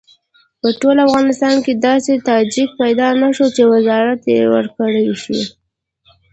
په ټول افغانستان کې داسې تاجک پیدا نه شو چې وزارت وکړای شي.